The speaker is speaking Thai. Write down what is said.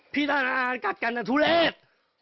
พี่ท่านอ่านกัดกันอ่ะทุเรศ